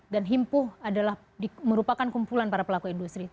dan himpuh adalah merupakan kumpulan para pelaku industri